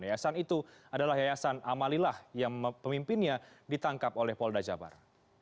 yayasan itu adalah yayasan amalilah yang pemimpinnya ditangkap oleh polda jabar